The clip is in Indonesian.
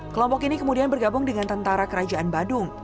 kelompok ini kemudian bergabung dengan tentara kerajaan badung